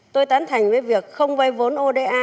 tôi tán thành với việc không vây vốn oda